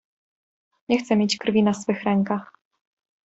Nie chce mieć krwi na swych rękach!